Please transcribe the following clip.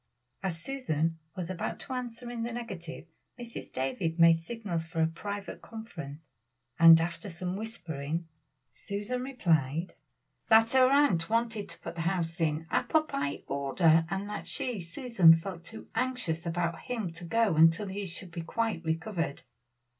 As Susan was about to answer in the negative, Mrs. Davies made signals for a private conference; and after some whispering, Susan replied, "that her aunt wanted to put the house in apple pie order, and that she, Susan, felt too anxious about him to go until he should be quite recovered."